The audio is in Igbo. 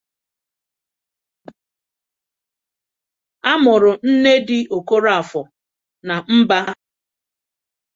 A mụrụ Nnedi Okorafor na mba Amerika.